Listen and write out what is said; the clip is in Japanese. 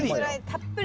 たっぷり？